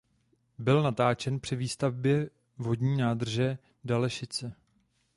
Byl natáčen při výstavbě Vodní nádrže Dalešice.